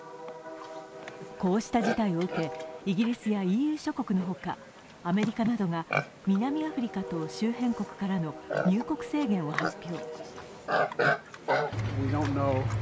こうした事態を受け、イギリスやＥＵ諸国のほか、アメリカなどが南アフリカと周辺国からの入国制限を発表。